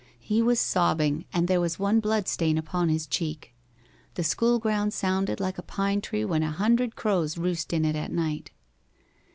He was sobbing, and there was one blood stain upon his cheek. The school ground sounded like a pinetree when a hundred crows roost in it at night.